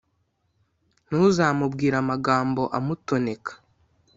ntuzamubwire amagambo amutoneka,